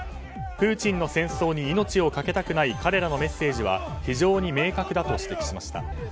プーチンの戦争に命を懸けたくない彼らのメッセージは非常に明確だと指摘しました。